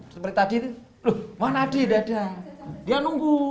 seperti tadi loh mana adi tidak ada dia nunggu